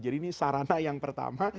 jadi ini sarana yang pertama